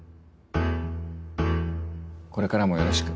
これからもよろしく。